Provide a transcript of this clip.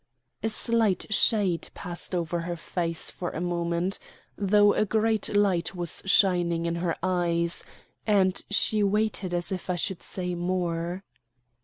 A slight shade passed over her face for a moment, though a great light was shining in her eyes, and she waited as it I should say more.